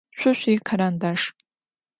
Şso şsuikarandaşş.